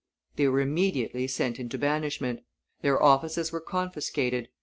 They were immediately sent into banishment; their offices were confiscated.